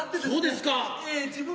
そうですか。